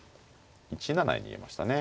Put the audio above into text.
１七に逃げましたね。